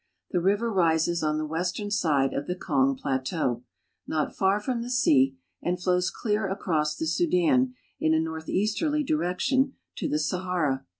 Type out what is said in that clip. The river rises on the western Ide of the Kong plateau, not far from the sea, and flows * clear across the Sudan in a northeasterly direction, to the Sahara.